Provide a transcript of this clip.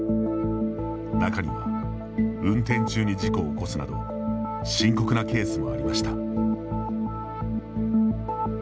中には運転中に事故を起こすなど深刻なケースもありました。